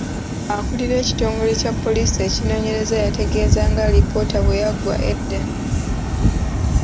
Akulira ekitongole kya poliisi ekinoonyereza yategeeza ng’alipoota bwe yaggwa edda .